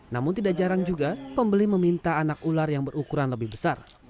namun tidak jarang juga pembeli meminta anak ular yang berukuran lebih besar